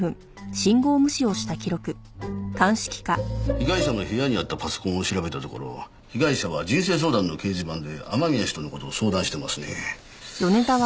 被害者の部屋にあったパソコンを調べたところ被害者は人生相談の掲示板で雨宮氏との事を相談してますね。